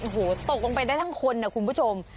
โหววตกลงไปได้ทางคนไงคุณผู้ชม